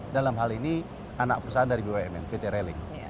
dalam hal ini anak perusahaan dari bumn pt railing